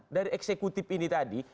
dari eksekutif ini tadi